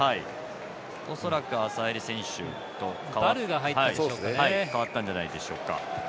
恐らくアサエリ選手と代わったんじゃないでしょうか。